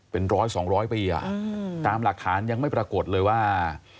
เป็นร้อยสองร้อยปีตามหลักฐานยังไม่ปรากฏเลยว่า